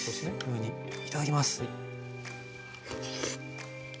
いただきます！